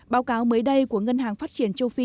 báo cáo mới đây của ngân hàng phát triển châu phi